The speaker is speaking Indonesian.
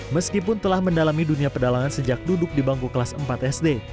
meskipun telah mendalami dunia pedalangan sejak duduk di bangku kelas empat sd